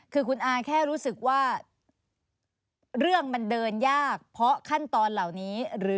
คือคุณอาแค่รู้สึกว่าเรื่องมันเดินยากเพราะขั้นตอนเหล่านี้หรือ